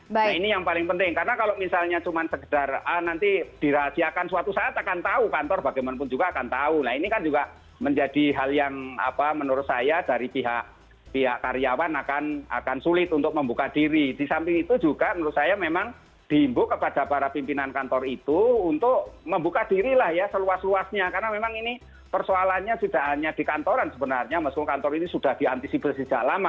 nah ini yang paling penting karena kalau misalnya cuma sekedar nanti dirahasiakan suatu saat akan tahu kantor bagaimanapun juga akan tahu nah ini kan juga menjadi hal yang apa menurut saya dari pihak pihak karyawan akan akan sulit untuk membuka diri disamping itu juga menurut saya memang diimbuk kepada para pimpinan kantor itu untuk membuka dirilah ya seluas luasnya karena memang ini persoalannya tidak hanya di kantoran sebenarnya meskipun kantor ini sudah diantisipasi tak lama